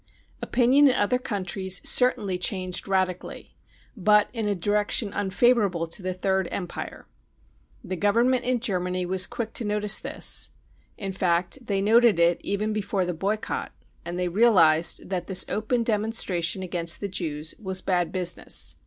Opinion in other countries certainly changed radically, but in a direction unfavourable to the Third Empire. The Government in Germany was quick to notice this ; in fact they noted it even before the boycott, and they realised that this open demonstration against the Jews was bad business.